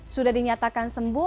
sudah dinyatakan sembuh